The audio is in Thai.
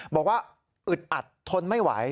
บอกว่าอึดอัดทนไม่ไหว